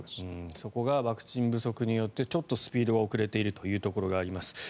そこがワクチン不足によってちょっとスピードが遅れているというところがあります。